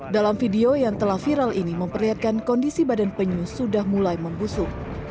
dalam video yang telah viral ini memperlihatkan kondisi badan penyu sudah mulai membusuk